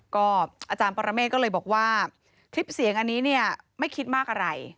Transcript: ก็อาจารย์ปรเมฆก็เลยบอกว่าคลิปเสียงอันนี้เนี่ยไม่คิดมากอะไร